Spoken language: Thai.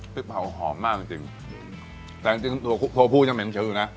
พริกเผาหอมมากจริงจริงแต่จริงจริงตัวผู้ยังเหม็นเฉยอยู่นะ